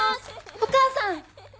お母さん！